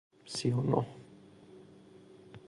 سی و نه